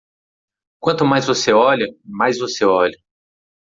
Quanto mais você olha, mais você olha